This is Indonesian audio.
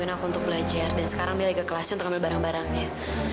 mungkin aku untuk belajar dan sekarang dia lagi ke kelasnya untuk ambil barang barangnya